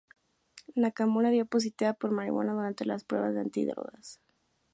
Nakamura dio positivo por marihuana durante las pruebas de antidrogas.